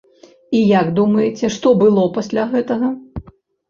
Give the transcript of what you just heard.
І, як думаеце, што было пасля гэтага?